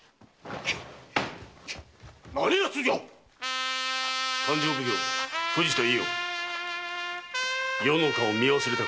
何奴じゃ⁉勘定奉行・藤田伊予余の顔を見忘れたか。